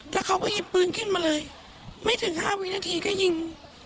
แล้วเขาก็หยิบปืนขึ้นมาเลยไม่ถึง๕วินาทีก็ยิง